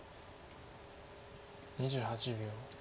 ２８秒。